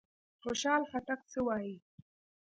خوشحال خټک څه وايي؟